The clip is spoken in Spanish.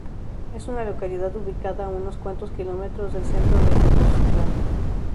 Es una localidad ubicada a unos cuantos kilómetros del centro de Tepotzotlán.